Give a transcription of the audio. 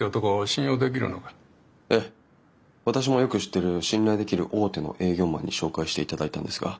私もよく知ってる信頼できる大手の営業マンに紹介していただいたんですが。